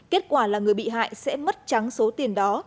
kết quả là người bị hại sẽ mất trắng số tiền đó